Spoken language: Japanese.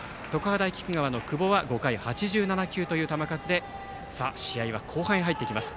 大菊川の久保は５回８７球という球数で試合は後半へ入ります。